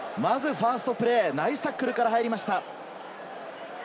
ファーストプレー、ナイスタックルから入りました。